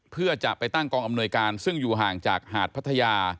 เพื่อจะไปตั้งกองอำนวยการซึ่งอยู่ห่างจากหาดพัทยา